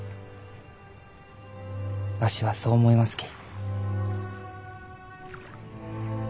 わしはそう思いますき。